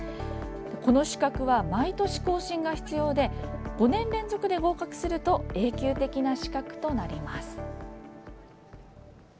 この資格は毎年更新が必要で５年連続で合格すると永久的な資格となります。